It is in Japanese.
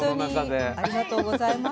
ほんとにありがとうございます。